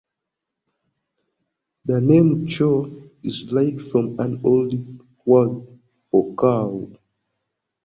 The name 'kyo' is derived from an old word for 'cow'.